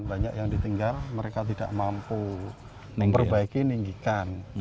banyak yang ditinggal mereka tidak mampu memperbaiki ninggikan